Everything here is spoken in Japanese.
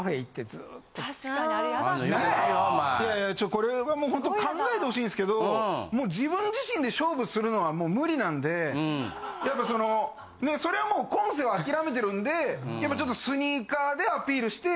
これはほんと考えてほしいんですけど自分自身で勝負するのはもう無理なんでやっぱそのそれはもう今世は諦めてるんでやっぱちょっとスニーカーでアピールして。